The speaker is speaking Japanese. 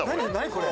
これ。